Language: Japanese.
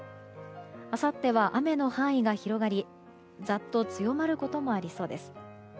あさっては雨の範囲が広がりザッと強まることもありそうです。